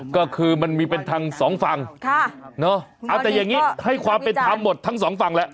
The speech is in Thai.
ก็คือมันมีเป็นทางสองฝั่งค่ะเนอะอาจจะอย่างงี้ให้ความเป็นทางหมดทั้งสองฝั่งแล้ว